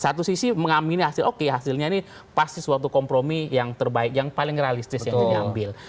satu sisi mengamini hasil oke hasilnya ini pasti suatu kompromi yang terbaik yang paling realistis yang diambil